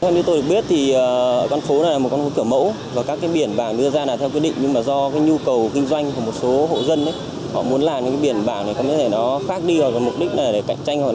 nhiều người biết đến hơn biển bảng có thể sai quy định